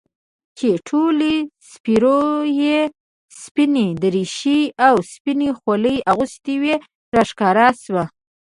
چې ټولو سپرو يې سپينې دريشۍ او سپينې خولۍ اغوستې وې راښکاره سوه.